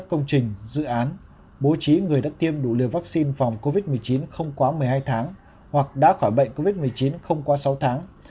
các công trình dự án bố trí người đã tiêm đủ liều vaccine phòng covid một mươi chín không quá một mươi hai tháng hoặc đã khỏi bệnh covid một mươi chín không quá sáu tháng